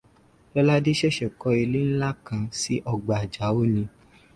Lóládé ṣẹ̀ṣẹ̀ kọ ilé ńlá kan sí ọgbà Àjàó ni.